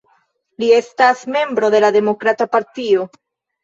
Li estas membro de la Demokrata partio.